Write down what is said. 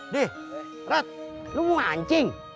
dih rat lu mau mancing